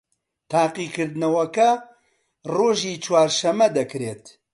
تاقیکردنەوەکە ڕۆژی چوارشەممە دەکرێت